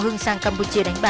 hưng sang campuchia đánh bạc